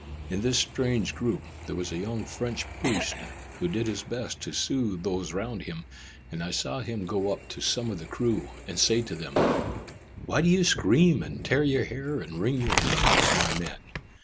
In this strange group, there was a young French priest who did his best to soothe those round him, and I saw him go up to some of the crew, and say to them, "Why do you scream, and tear your hair, and wring your hands, my men?